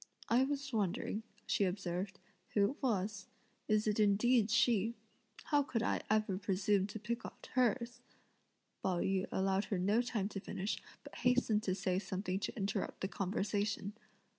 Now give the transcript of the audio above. "I was wondering," she observed, "who it was. Is it indeed she? How could I ever presume to pick out hers?" Pao yü allowed her no time to finish, but hastened to say something to interrupt the conversation.